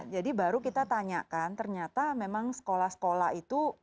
jadi baru kita tanyakan ternyata memang sekolah sekolah itu